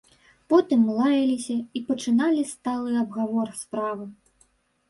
Потым лаяліся і пачыналі сталы абгавор справы.